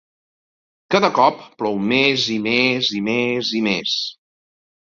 Cada cop plou més i més i més i més.